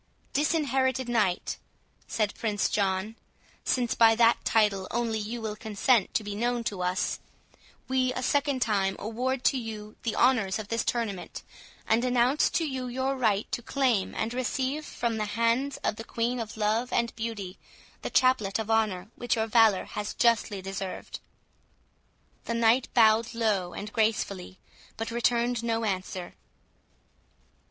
"Disinherited Knight," said Prince John, "since by that title only you will consent to be known to us, we a second time award to you the honours of this tournament, and announce to you your right to claim and receive from the hands of the Queen of Love and Beauty, the Chaplet of Honour which your valour has justly deserved." The Knight bowed low and gracefully, but returned no answer.